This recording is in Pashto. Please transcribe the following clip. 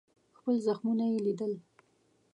خپل زخمونه یې لیدل.